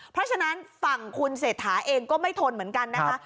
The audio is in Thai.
เพราะฉะนั้นฝั่งคุณเศรษฐาเองก็ไม่ทนเหมือนกันนะคะ